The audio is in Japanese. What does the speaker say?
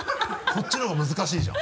こっちのが難しいじゃん。